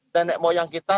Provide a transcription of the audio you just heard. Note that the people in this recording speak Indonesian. tenek moyang kita